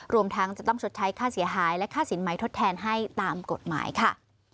รวมทั้งจะต้องชดใช้ค่าเสียหายและค่าสินใหม่ทดแทนให้ตามกฎหมายค่ะ